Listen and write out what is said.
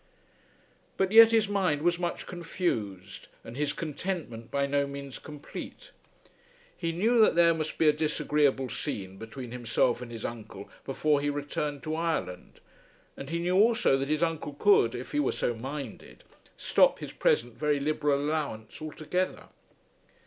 But yet his mind was much confused and his contentment by no means complete. He knew that there must be a disagreeable scene between himself and his uncle before he returned to Ireland, and he knew also that his uncle could, if he were so minded, stop his present very liberal allowance altogether.